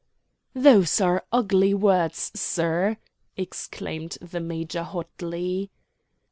"Those are ugly words, sir," exclaimed the major hotly.